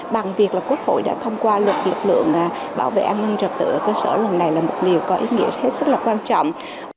bằng việc là quốc hội đã thông qua luật lực lượng bảo vệ an ninh trật tự ở cơ sở lần này là một điều có ý nghĩa hết sức là quan trọng